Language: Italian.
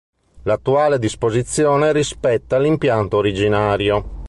L'attuale disposizione rispetta l'impianto originario.